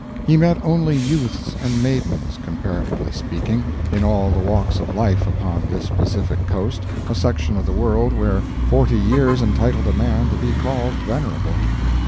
He met only youths and maidens, comparatively speaking, in all the walks of life upon this Pacific Coast—a section of the world where forty years entitled a man to be called venerable.